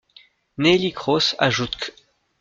Neelie Kroes ajoute qu'.